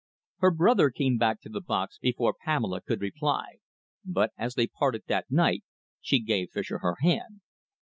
Her brother came back to the box before Pamela could reply, but, as they parted that night, she gave Fischer her hand.